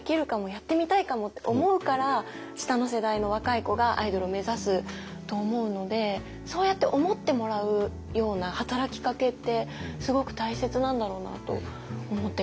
やってみたいかも！って思うから下の世代の若い子がアイドルを目指すと思うのでそうやって思ってもらうような働きかけってすごく大切なんだろうなと思ってます。